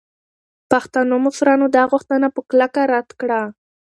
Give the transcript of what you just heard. پښتنو مشرانو دا غوښتنه په کلکه رد کړه.